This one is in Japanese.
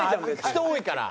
人多いから。